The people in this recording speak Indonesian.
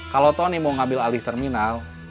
kalau tony mau ngambil alih terminal